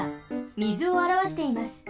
みずをあらわしています。